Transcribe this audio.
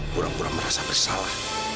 pura pura merasa bersalah